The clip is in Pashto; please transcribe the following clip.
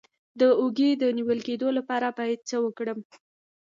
د اوږې د نیول کیدو لپاره باید څه وکړم؟